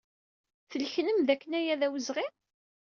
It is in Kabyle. Tleknem dakken aya d awezɣi?